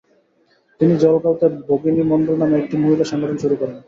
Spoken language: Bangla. তিনি জলগাঁওতে ভগিনী মন্ডল নামে একটি মহিলা সংগঠন শুরু করেন।